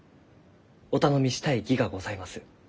お頼みしたい儀がございます。